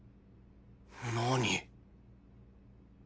何？